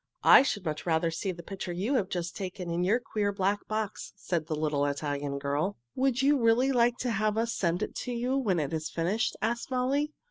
"I should much rather see the picture you have just taken in your queer, black box," said the little Italian girl. "Would you really like to have us send it to you when it is finished?" asked Molly.